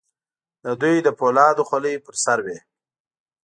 د دوی د فولادو خولۍ په سر وې.